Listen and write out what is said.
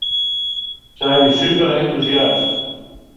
Sy wie superentûsjast.